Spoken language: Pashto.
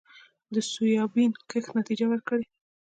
د سویابین کښت نتیجه ورکړې